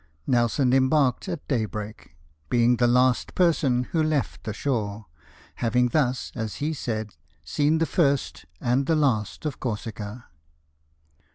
Nelson embarked at day break, being the last person who left the shore ; having thus, as he said, seen the first and the last of Corsica.